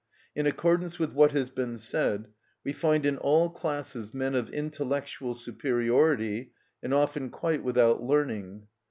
In accordance with what has been said, we find in all classes men of intellectual superiority, and often quite without learning.